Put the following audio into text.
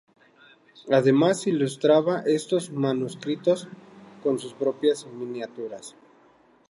Además, ilustraba estos manuscritos con sus propias miniaturas.